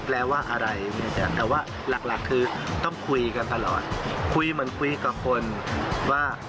แล้วว่าอะไรแต่ว่าหลักหลักคือต้องคุยกันตลอดคุยเหมือนคุยกับคนว่า